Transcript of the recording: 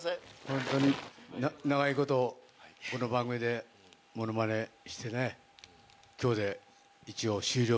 ホントに長いことこの番組でものまねしてね。